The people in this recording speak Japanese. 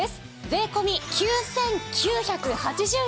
税込９９８０円です。